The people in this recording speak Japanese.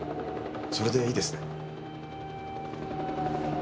それでいいですね？